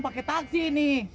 pake taksi ini